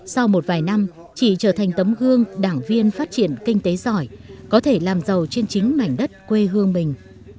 sau một vài năm chị trở thành tấm gương đảng viên phát triển kinh tế giỏi có thể làm giàu trên chính mảnh đất quê hương mình